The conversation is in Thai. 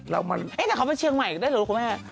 เรามาแต่เขาไปเชียงใหม่ได้หรือครับคุณแม่